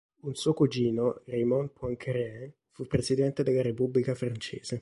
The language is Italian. Un suo cugino, Raymond Poincaré fu Presidente della Repubblica francese.